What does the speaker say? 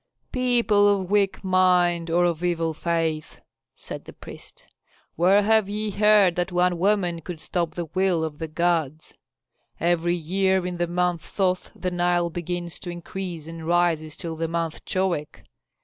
"People of weak mind or of evil faith," said the priest, "where have ye heard that one woman could stop the will of the gods? Every year in the month Thoth the Nile begins to increase and rises till the month Choeak.